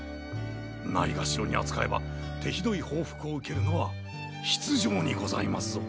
ないがしろに扱えば手ひどい報復を受けるのは必定にございますぞ。